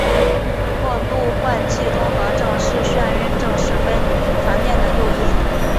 过度换气综合症是晕眩症十分常见的诱因。